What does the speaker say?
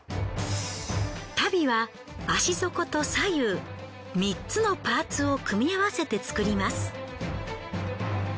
足袋は足底と左右３つのパーツを組み合わせて作ります。